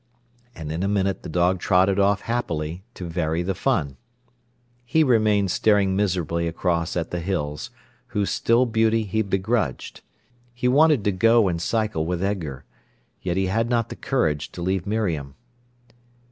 And in a minute the dog trotted off happily, to vary the fun. He remained staring miserably across at the hills, whose still beauty he begrudged. He wanted to go and cycle with Edgar. Yet he had not the courage to leave Miriam.